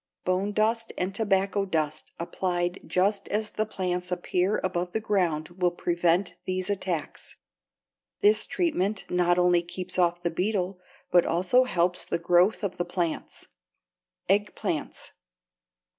Bone dust and tobacco dust applied just as the plants appear above the ground will prevent these attacks. This treatment not only keeps off the beetle, but also helps the growth of the plants. =Eggplants.